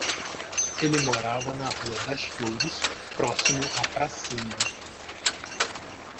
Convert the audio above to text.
Ele morava na Rua das Flores, próximo à pracinha.